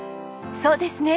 そうですね。